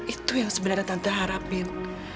itu yang sebenarnya tante harapin